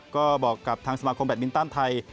ก็บอกกับทางสมาคมแดดมินตันไทย